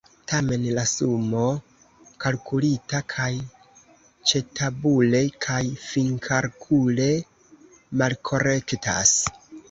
Tamen la sumo kalkulita kaj ĉetabule kaj finkalkule malkorektas.